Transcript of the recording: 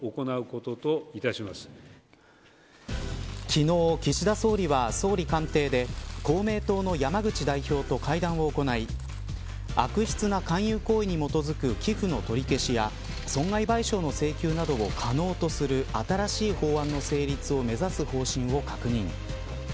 昨日、岸田総理は総理官邸で公明党の山口代表と会談を行い悪質な勧誘行為に基づく寄付の取り消しや損害賠償の請求などを可能とする新しい法案の成立を目指す方針を確認。